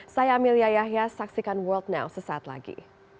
saya amelia yahya saksikan world now sesaat lagi